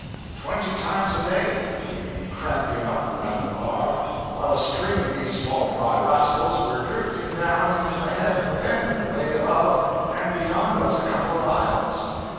Twenty times a day we would be cramping up around a bar, while a string of these small fry rascals were drifting down into the head of the bend away above and beyond us a couple of miles.